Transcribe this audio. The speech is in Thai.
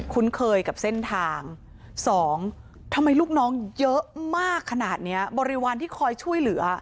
คุ้นเคยกับเส้นทางสองทำไมลูกน้องเยอะมากขนาดเนี้ยบริวารที่คอยช่วยเหลือ